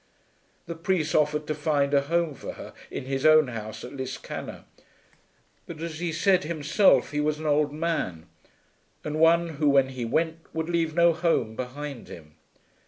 The priest offered to find a home for her in his own house at Liscannor; but, as he said himself, he was an old man, and one who when he went would leave no home behind him.